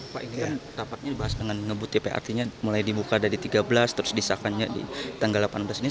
pak ini kan rapatnya dibahas dengan ngebut tp artinya mulai dibuka dari tiga belas terus disahkannya di tanggal delapan belas ini